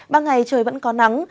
ba ngày trời vẫn có nắng